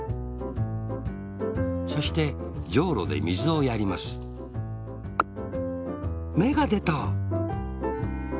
そしてじょうろでみずをやりますめがでた。